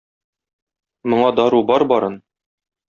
Моңа дару бар барын.